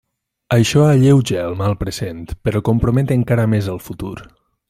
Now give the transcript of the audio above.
Això alleuja el mal present, però compromet encara més el futur.